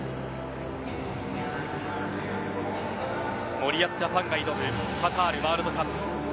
森保ジャパンが挑むカタールワールドカップ。